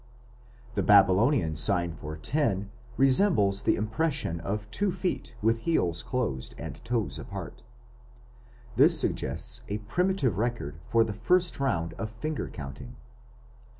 The Babylonian sign for 10 resembles the impression of two feet with heels closed and toes apart. This suggests a primitive record of the first round of finger counting.